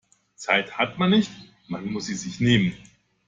Zeit hat man nicht, man muss sie sich nehmen.